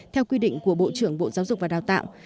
theo quy định của bộ trưởng bộ giáo dục và đào tạo